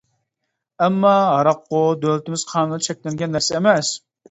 ئەمما ھاراققۇ دۆلىتىمىز قانۇنىدا چەكلەنگەن نەرسە ئەمەس.